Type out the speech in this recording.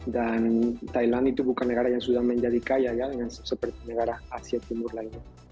dan thailand itu bukan negara yang sudah menjadi kaya ya dengan seperti negara asia timur lainnya